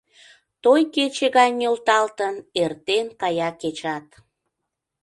Той кече гай нӧлталтын, Эртен кая кечат.